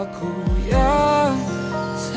aku yang salah